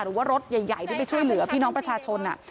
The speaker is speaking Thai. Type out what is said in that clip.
หรือว่ารถใหญ่ที่ไปช่วยเหลือพี่น้องประชาชน